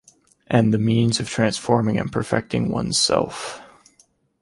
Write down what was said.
And the means of transforming and perfecting oneself.